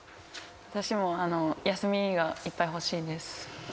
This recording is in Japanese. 私も休みがいっぱい欲しいです。